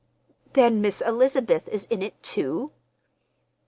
"Then Miss Elizabeth is in it, too?"